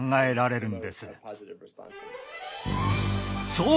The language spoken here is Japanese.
そう！